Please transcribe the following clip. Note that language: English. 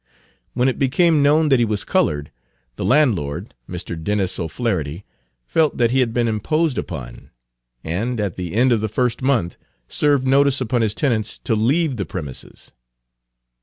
When it became known that he was colored, the landlord, Mr. Dennis O'Flaherty, felt that he had been imposed upon, and, at the end of the first month, served notice upon his tenants to leave the premises.